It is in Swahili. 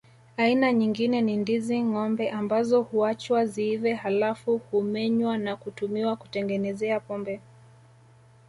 Aina nyingine ni ndizi ngombe ambazo huachwa ziive halafu humenywa na kutumiwa kutengenezea pombe